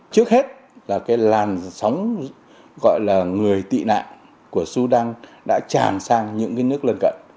trước hết là cái làn sóng gọi là người tị nạn của sudan đã tràn sang những cái nước lân cận